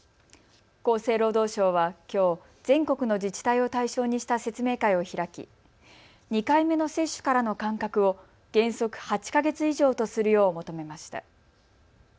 厚生労働省はきょう、全国の自治体を対象にした説明会を開き２回目の接種からの間隔を原則８か月以上とするよう求めました。